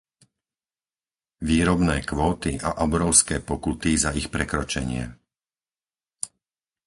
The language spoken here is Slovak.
Výrobné kvóty a obrovské pokuty za ich prekročenie.